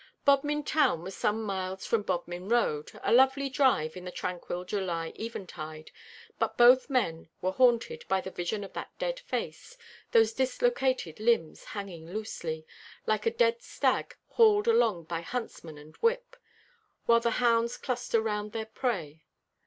Bodmin town was some miles from Bodmin Road, a lovely drive in the tranquil July eventide; but both those men were haunted by the vision of that dead face, those dislocated limbs, hanging loosely, like a dead stag hauled along by huntsman and whip, while the hounds cluster round their prey.